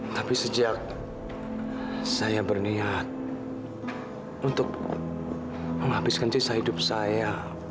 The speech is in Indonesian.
tapi sejak saya berniat untuk menghabiskan sisa hidup saya